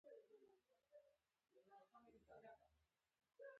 زه د پاچاهانو فرمانونه مطالعه کوم.